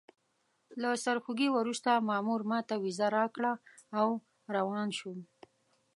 له سرخوږي وروسته مامور ماته ویزه راکړه او روان شوم.